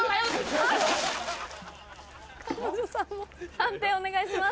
判定お願いします。